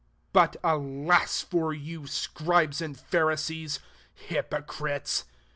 13 '^ But alas for you. Scribes and Pharisees, hypocrites